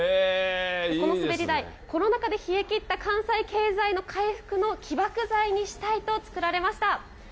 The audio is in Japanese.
この滑り台、コロナ禍で冷えきった関西経済の回復の起爆剤にしたいと、作られました。